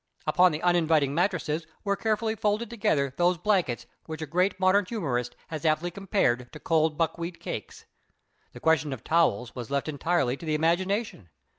Upon the uninviting mattresses were carefully folded together those blankets which a great modern humourist has aptly compared to cold buckwheat cakes. The question of towels was left entirely to the imagination.